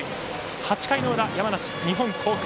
８回の裏、山梨・日本航空。